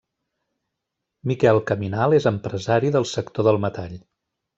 Miquel Caminal és empresari del sector del metall.